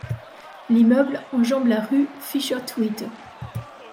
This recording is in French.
L'immeuble enjambe la rue Fischertwiete.